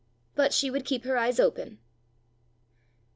But she would keep her eyes open!